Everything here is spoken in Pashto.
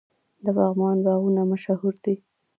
د پغمان باغونه مشهور دي.